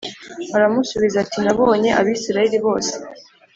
Aramusubiza ati Nabonye Abisirayeli bose